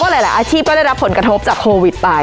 ว่าหลายอาธิบด์ก็ได้รับผลกระทบจากโควิดไป